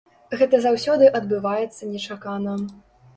Гэта заўсёды адбываецца нечакана.